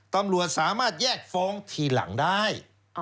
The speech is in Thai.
ตำรวจสามารถแยกฟ้องทีหลังได้